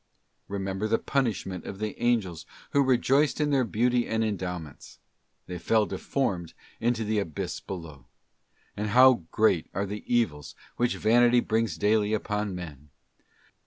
Remember the punishment of the angels who rejoiced in their beauty and endowments; they fell deformed into the abyss below. And how great are the evils which vanity brings daily upon men!